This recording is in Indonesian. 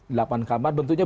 delapan kamar bentuknya